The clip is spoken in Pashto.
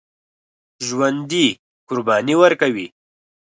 ژوندي قرباني ورکوي